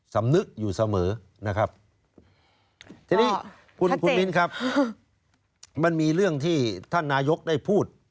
สำนึกอยู่เสมอนะครับทีนี้คุณคุณมิ้นครับมันมีเรื่องที่ท่านนายกได้พูด